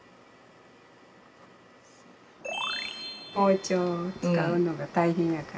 包丁を使うのが大変やから。